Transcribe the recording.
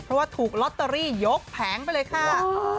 เพราะว่าถูกลอตเตอรี่ยกแผงไปเลยค่ะ